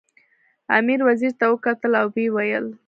امیر وزیر ته وکتل او ویې ویل.